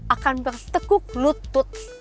akan berteguk lutut